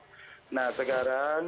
dan pak sandiaga uno